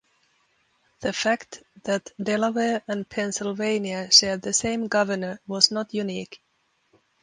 The fact that Delaware and Pennsylvania shared the same governor was not unique.